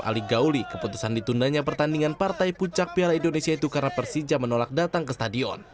ali gauli keputusan ditundanya pertandingan partai puncak piala indonesia itu karena persija menolak datang ke stadion